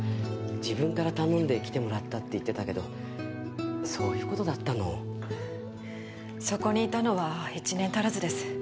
自分から頼んで来てもらったって言ってたけどそういうことだったのそこにいたのは１年足らずです